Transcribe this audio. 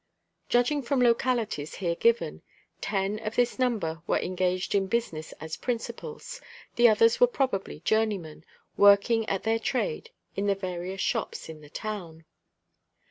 Judging from localities here given, ten of this number were engaged in business as principals, the others were probably journeymen, working at their trade in the various shops in the town.